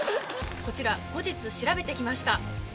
こちら後日調べて来ました。